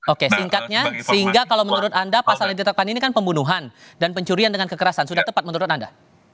oke singkatnya sehingga kalau menurut anda pasal yang ditetapkan ini kan pembunuhan dan pencurian dengan kekerasan sudah tepat menurut anda